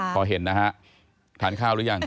พอเห็นนะฮะทานข้าวหรือยัง